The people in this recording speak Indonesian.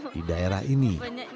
di daerah ini